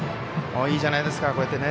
いいじゃないですか。